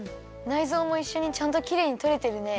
ないぞうもいっしょにちゃんときれいにとれてるね。